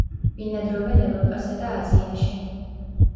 ბინადრობენ ევროპასა და აზიაში.